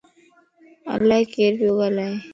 الائي ڪير پيو ڳالائي